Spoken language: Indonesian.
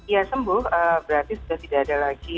ya sembuh berarti sudah tidak ada lagi